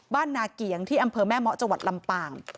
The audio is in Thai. นาเกียงที่อำเภอแม่เมาะจังหวัดลำปาง